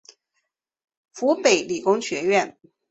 湖北理工学院